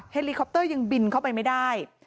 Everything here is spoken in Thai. เฮลิคอปเตอร์ยังบินเข้าไปไม่ได้